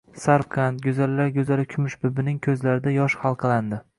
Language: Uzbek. Sarvqad, goʻzallar goʻzali Kumushbibining koʻzlarida yosh xalqalandi.